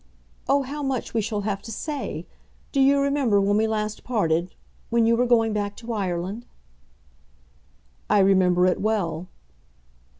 Oh, how much we shall have to say! Do you remember when we last parted; when you were going back to Ireland?" "I remember it well."